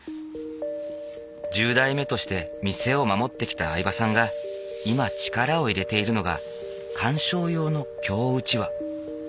１０代目として店を守ってきた饗庭さんが今力を入れているのが鑑賞用の京うちわ。